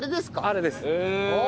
あれです。